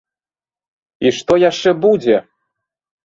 І што яшчэ будзе!